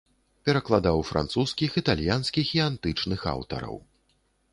Перакладаў французскіх, італьянскіх і антычных аўтараў.